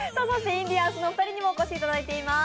インディアンスのお二人にもお越しいただいています。